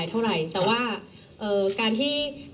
เธออยากให้ชี้แจ่งความจริง